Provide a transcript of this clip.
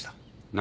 何？